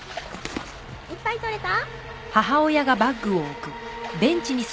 いっぱいとれた？